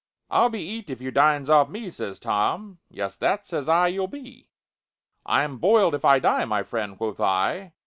"'I'll be eat if you dines off me,' says Tom. 'Yes, that,' says I, 'you'll be, I'm boiled if I die, my friend,' quoth I.